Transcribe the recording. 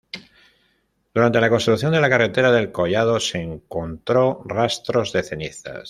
Durante la construcción de la carretera del collado, se encontró rastros de cenizas.